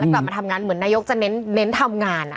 กลับมาทำงานเหมือนนายกจะเน้นทำงาน